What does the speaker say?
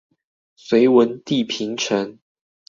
隋文帝平陳